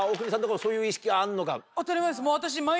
当たり前です私。